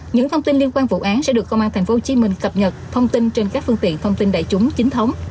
những thông tin liên quan vụ án sẽ được công an tp hcm cập nhật thông tin trên các phương tiện thông tin đại chúng chính thống